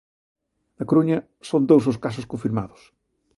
Na Coruña, son dous os casos confirmados.